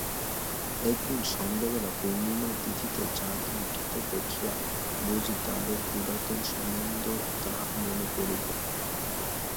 একদিন সন্ধ্যাবেলা পূর্ণিমা তিথিতে চাঁদ উঠিতে দেখিয়া বুঝি আমাদের পুরাতন সম্বন্ধ তাহার মনে পড়িল।